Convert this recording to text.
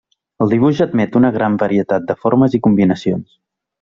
El dibuix admet una gran varietat de formes i combinacions.